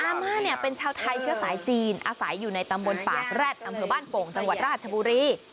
มาเนี่ยเป็นชาวไทยเชื้อสายจีนอาศัยอยู่ในตำบลปากแร็ดอำเภอบ้านโป่งจังหวัดราชบุรี